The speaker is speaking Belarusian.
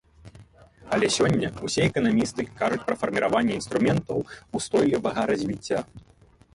Але сёння ўсе эканамісты кажуць пра фарміраванне інструментаў устойлівага развіцца.